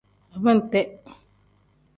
Abente.